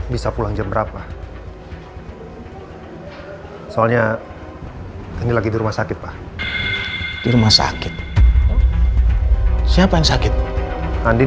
berapa soalnya ini lagi rumah sakit pak di rumah sakit siapa yang sakit andien